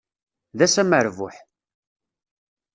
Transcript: D ass amerbuḥ.